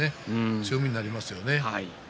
強めになりますよね。